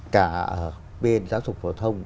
cả bên giáo dục phổ thông